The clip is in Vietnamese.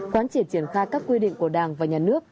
quán triệt triển khai các quy định của đảng và nhà nước